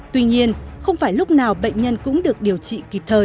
tuy nhiên không phải lúc nào bệnh nhân cũng được điều trị kịp thời